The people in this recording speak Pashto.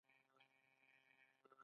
د مس عینک کان په لوګر ولایت کې دی.